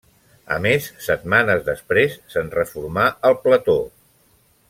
A més, setmanes després, se'n reformà el plató.